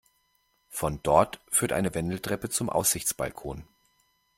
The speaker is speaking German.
Von dort führt eine Wendeltreppe zum Aussichtsbalkon.